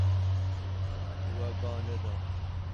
We ba neda.